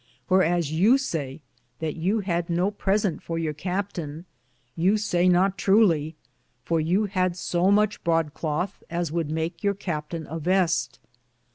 Whereas yow saye that yow had no presente for your Captayne, yow say not truly, for yow had so muche brode Clothe as would make your Captaine a Veste.